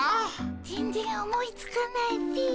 全然思いつかないっピ。